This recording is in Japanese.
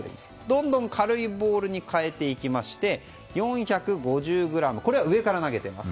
どんどん軽いボールに変えていきまして４５０ｇこれは上から投げています